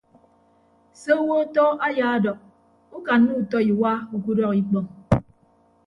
Se owo ọtọ ayaadọk ukanna utọ iwa ukudọk ikpọñ.